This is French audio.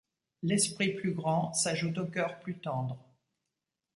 L’esprit plus grand s’ajoute au cœur plus tendre.